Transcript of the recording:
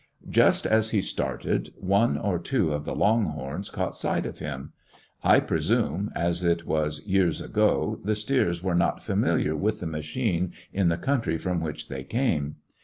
Just as he started, one or two of the "long horns ^' caught sight of him. I presume, as it was years ago, the steers were not familiar with the machine in the country from which they came.